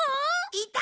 いた！